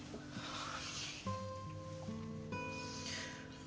ああ。